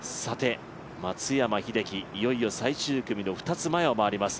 松山英樹、いよいよ最終組の２つ前を回ります。